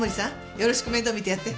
よろしく面倒見てやって。